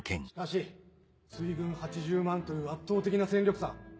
しかし水軍８０万という圧倒的な戦力差。